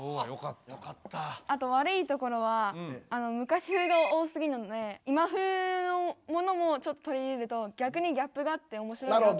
あとわるいところは昔風が多すぎるので今風のものもちょっと取り入れると逆にギャップがあっておもしろいなって。